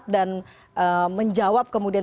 dan menjawab kemudian